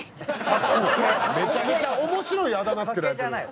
めちゃめちゃ面白いあだ名付けられてる。